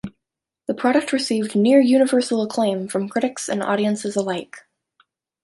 The production received near universal acclaim from critics and audiences alike.